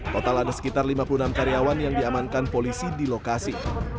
total ada sekitar lima puluh enam karyawan yang diamankan polisi di lokasi